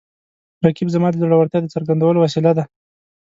رقیب زما د زړورتیا د څرګندولو وسیله ده